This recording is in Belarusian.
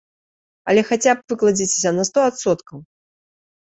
Але хаця б выкладзіцеся на сто адсоткаў!